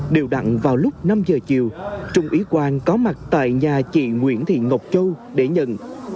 điều đặn vào lúc năm giờ chiều trung ý quang có mặt tại nhà chị nguyễn thị ngọc châu để nhận